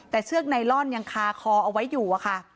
แต่เชือกไนลอนยังคาคอเอาไว้อยู่อะค่ะ